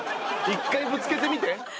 一回ぶつけてみて。